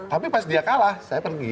tapi pas dia kalah saya pergi